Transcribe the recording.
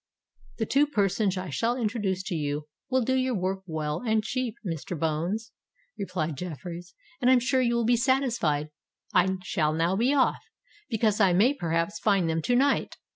"The two persons I shall introduce to you will do your work well and cheap, Mr. Bones," replied Jeffreys; "and I am sure you will be satisfied. I shall now be off—because I may perhaps find them to night.